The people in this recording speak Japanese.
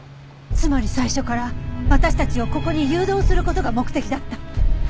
つまり最初から私たちをここに誘導する事が目的だった。